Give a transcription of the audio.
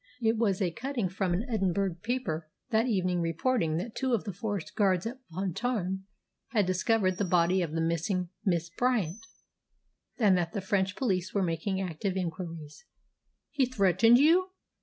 It was a cutting from an Edinburgh paper that evening reporting that two of the forest guards at Pontarmé had discovered the body of the missing Miss Bryant, and that the French police were making active inquiries." "He threatened you?"